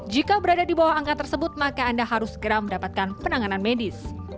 jika berada di bawah angka tersebut maka anda harus segera mendapatkan penanganan medis